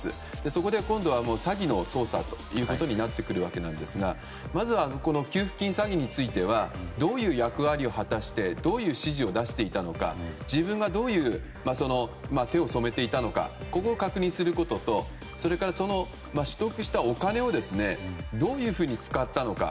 そこで、今度は詐欺の捜査ということになってくるわけなんですがまずは給付金詐欺についてはどういう役割を果たしてどういう指示を出していたのか自分がどんな手を染めていたのかここを確認することとそれから取得したお金をどういうふうに使ったのか。